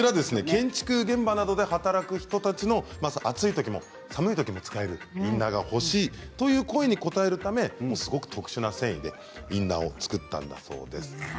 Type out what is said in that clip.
建築現場などで働く人たちの暑いときも寒いときも使えるインナーが欲しいという声に応えるために特殊な繊維でインナーを作ったんだそうです。